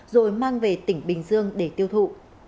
rồi mang về tỉnh bình dương để tiêu thụ